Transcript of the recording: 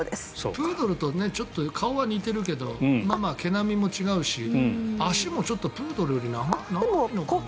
プードルと顔は似ているけど毛並みも違うし足もちょっとプードルより長いのかもしれない。